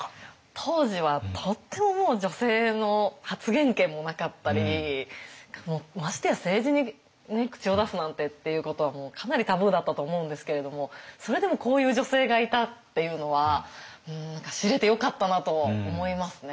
当時はとってももう女性の発言権もなかったりましてや政治に口を出すなんてっていうことはもうかなりタブーだったと思うんですけれどもそれでもこういう女性がいたっていうのは何か知れてよかったなと思いますね。